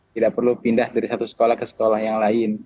tidak perlu pindah dari satu sekolah ke sekolah yang lain